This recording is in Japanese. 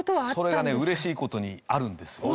それがねうれしい事にあるんです。